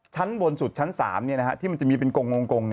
ชั้นบนสุดชั้น๓ที่มันจะมีเป็นกง